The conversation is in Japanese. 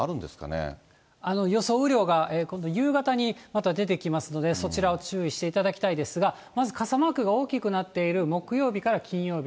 予想雨量が、今度、夕方にまだ出てきますので、そちらを注意していただきたいですが、まず傘マークが大きくなっている、木曜日から金曜日。